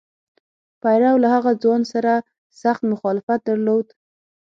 پیرو له هغه ځوان سره سخت مخالفت درلود.